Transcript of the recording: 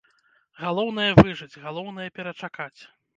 Галоўнае, выжыць, галоўнае, перачакаць!